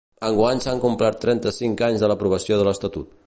Enguany s’han complert trenta-cinc anys de l’aprovació de l’estatut.